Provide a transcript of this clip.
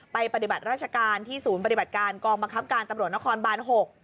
ปฏิบัติราชการที่ศูนย์ปฏิบัติการกองบังคับการตำรวจนครบาน๖